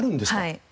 はい。